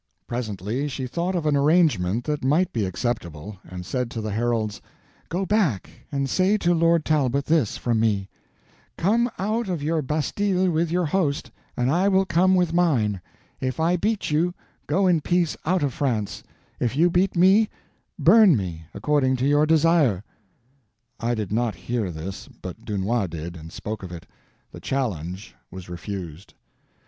Presently she thought of an arrangement that might be acceptable, and said to the heralds, "Go back and say to Lord Talbot this, from me: 'Come out of your bastilles with your host, and I will come with mine; if I beat you, go in peace out of France; if you beat me, burn me, according to your desire.'" I did not hear this, but Dunois did, and spoke of it. The challenge was refused.